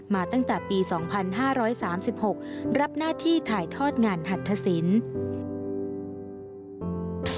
มาตั้งแต่ปี๒๕๓๖รับหน้าที่ถ่ายทอดงานหัตถสิน